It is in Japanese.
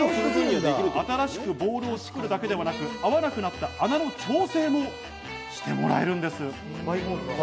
新しくボールを作るのではなく合わなかった穴の調整もしてもらえるんです。